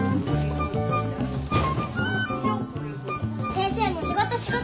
先生も仕事仕事。